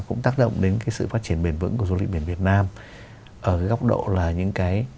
cũng tác động đến cái sự phát triển bền vững của du lịch biển việt nam ở cái góc độ là những cái